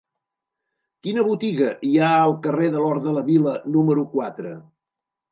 Quina botiga hi ha al carrer de l'Hort de la Vila número quatre?